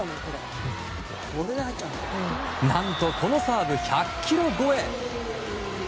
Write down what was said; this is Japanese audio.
何とこのサーブ１００キロ超え！